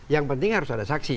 yang penting harus ada saksi